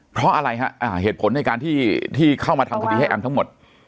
เพราะอะไรฮะเหตุผลในการที่เข้ามาทำคดีให้แอมทั้งหมด